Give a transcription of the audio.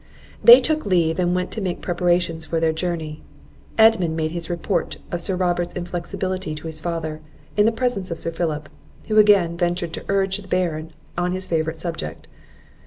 They took leave, and went to make preparations for their journey. Edmund made his report of Sir Robert's inflexibility to his father, in presence of Sir Philip; who, again, ventured to urge the Baron on his favourite subject.